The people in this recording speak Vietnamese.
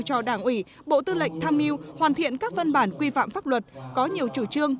cho đảng ủy bộ tư lệnh tham mưu hoàn thiện các văn bản quy phạm pháp luật có nhiều chủ trương